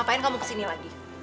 gapain kamu kesini lagi